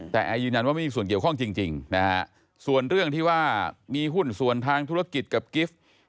แต่แอร์ยืนยันว่าไม่มีส่วนเกี่ยวข้องจริงนะฮะส่วนเรื่องที่ว่ามีหุ้นส่วนทางธุรกิจกับกิฟต์